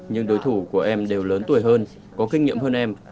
nhưng đối thủ của em đều lớn tuổi hơn có kinh nghiệm hơn em